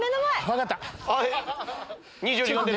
分かった。